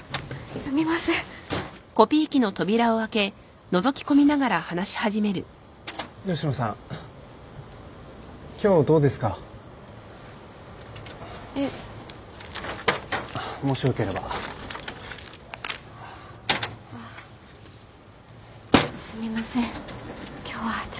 すみません今日はちょっと。